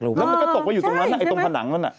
แล้วมันก็ตกไปอยู่ตรงนั้นไอ้ตรงผนังนั้น